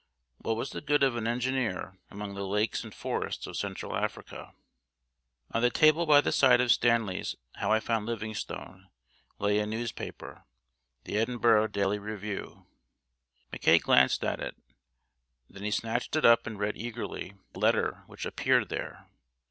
What was the good of an engineer among the lakes and forests of Central Africa? On the table by the side of Stanley's How I found Livingstone lay a newspaper, the Edinburgh Daily Review. Mackay glanced at it; then he snatched it up and read eagerly a letter which appeared there.